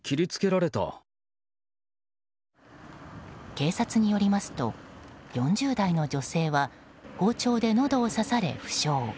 警察によりますと４０代の女性は包丁でのどを刺され負傷。